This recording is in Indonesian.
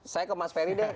saya ke mas ferry deh